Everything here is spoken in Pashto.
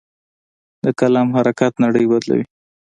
د قلم حرکت نړۍ بدلوي.